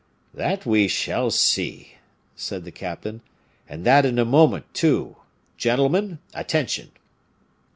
"That we shall see," said the captain, "and that in a moment, too. Gentlemen, attention!"